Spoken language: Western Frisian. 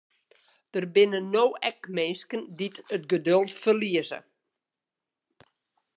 Der binne no ek minsken dy't it geduld ferlieze.